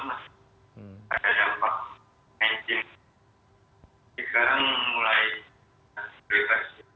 mungkin sedikit berbeda dari tahun lalu mas